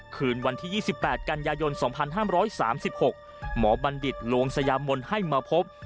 คืนวันที่๒๘กันยายน๒๕๓๖หมอบัณฑิตลวงสยามนให้มาพบ